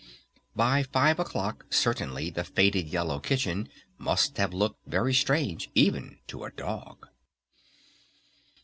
By five o'clock certainly the faded yellow kitchen must have looked very strange, even to a dog!